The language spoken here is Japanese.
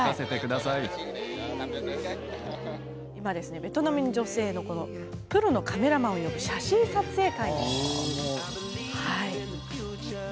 ベトナムの女性に今、人気のプロのカメラマンを呼ぶ写真撮影会。